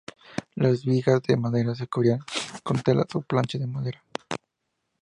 Las vigas de madera se cubrían con telas o planchas de madera.